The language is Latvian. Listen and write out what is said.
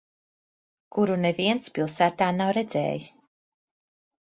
Kuru neviens pilsētā nav redzējis.